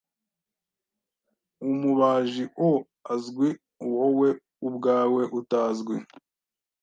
Umubaji o azwi, wowe ubwawe utazwi